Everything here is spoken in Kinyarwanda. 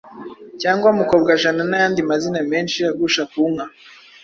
cyangwa Mukobwajana n’ayandi mazina menshi agusha ku nka.